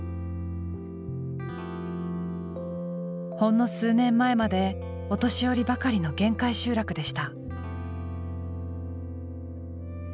ほんの数年前までお年寄りばかりの限界集落でした。